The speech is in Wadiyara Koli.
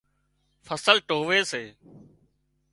فصل ٽووي سي